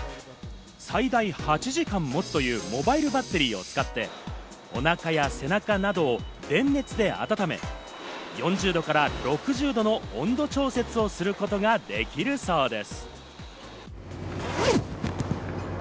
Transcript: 最大８時間もつというモバイルバッテリーを使って、おなかや背中などを電熱で温め、４０度から６０度の温度調節をすることができるそうです。